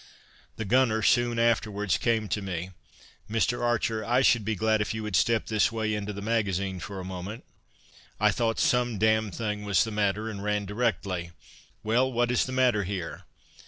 The gunner soon afterwards came to me: "Mr. Archer, I should be glad if you would step this way into the magazine for a moment:" I thought some damned thing was the matter, and ran directly: "Well, what is the matter here?"